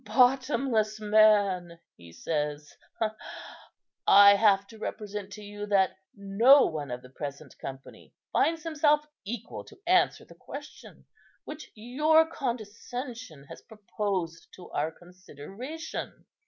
'Bottomless man,' he says, 'I have to represent to you that no one of the present company finds himself equal to answer the question, which your condescension has proposed to our consideration!